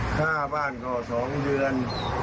ค่าบ้านก็๒เดือน